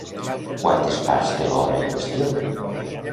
Quantes parts té l'obra en qüestió?